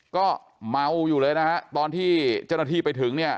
ก็เมาอยู่เลยนะฮะตอนที่เจ้าหน้าที่ไปถึงเนี่ย